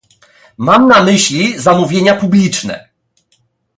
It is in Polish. Mam na myśli zamówienia publiczne